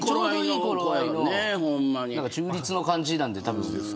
中立の感じなんで。